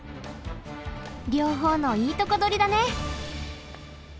両方のいいとこどりだね。